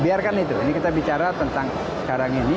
biarkan itu ini kita bicara tentang sekarang ini